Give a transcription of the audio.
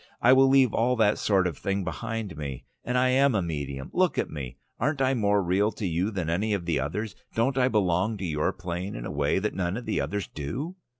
"I will leave all that sort of thing behind me. And I am a medium. Look at me! Aren't I more real to you than any of the others? Don't I belong to your plane in a way that none of the others do?